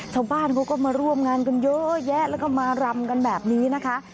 ชาวบ้านเขาก็มาร่วมงานกันเยอะแยะแล้วก็มารำกันแบบนี้นะคะ